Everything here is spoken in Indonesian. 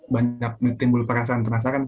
banyak timbul perasaan penasaran